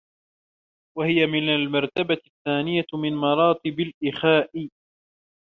وَهِيَ الْمَرْتَبَةُ الثَّانِيَةُ مِنْ مَرَاتِبِ الْإِخَاءِ